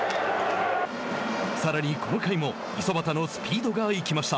さらに、この回も五十嵐のスピードが生きました。